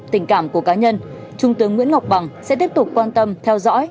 tình cảm của cá nhân trung tướng nguyễn ngọc bằng sẽ tiếp tục quan tâm theo dõi